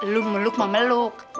lo meluk mau meluk